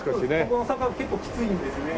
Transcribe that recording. この坂結構きついんですね。